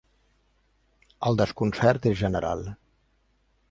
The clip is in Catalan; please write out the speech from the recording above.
El desconcert és general.